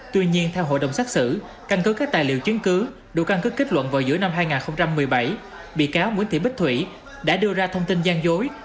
tuy nhiên theo hội đồng xét xử căn cứ các tài liệu chiến cứ đủ căn cứ kết luận vào giữa năm hai nghìn một mươi bảy